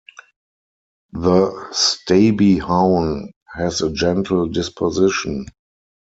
The Stabyhoun has a gentle disposition.